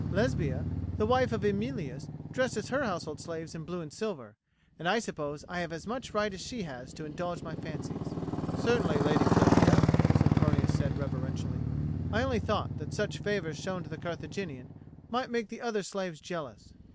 Lesbia, the wife of Emilius, dresses her household slaves in blue and silver, and I suppose I have as much right as she has to indulge my fancies." "Certainly, Lady Flavia," Sempronius said reverentially. "I only thought that such favours shown to the Carthaginian might make the other slaves jealous."